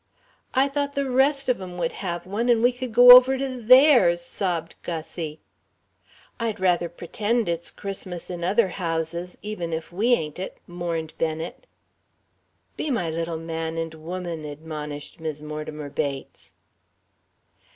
"I thought the rest of 'em would have one an' we could go over to theirs...." sobbed Gussie. "I'd rather p'etend it's Christmas in other houses even if we ain't it!" mourned Bennet. "Be my little man and woman," admonished Mis' Mortimer Bates.